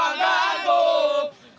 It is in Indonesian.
garuda di dadaku